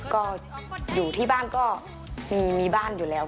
ก็อยู่ที่บ้านก็มีบ้านอยู่แล้ว